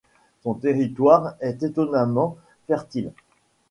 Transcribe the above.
Son territoire est étonnamment fertile.